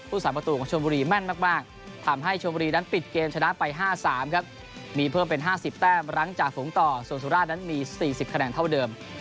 ๓ประตูของชมบุรีแม่นมากทำให้ชมบุรีนั้นปิดเกมชนะไป๕๓ครับมีเพิ่มเป็น๕๐แต้มหลังจากฝูงต่อส่วนสุราชนั้นมี๔๐คะแนนเท่าเดิม